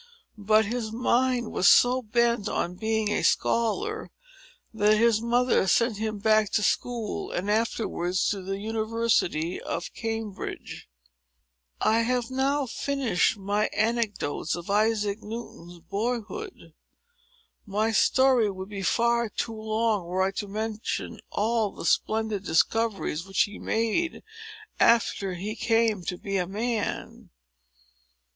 But his mind was so bent on becoming a scholar, that his mother sent him back to school, and afterwards to the University of Cambridge. I have now finished my anecdotes of Isaac Newton's boyhood. My story would be far too long, were I to mention all the splendid discoveries which he made, after he came to be a man.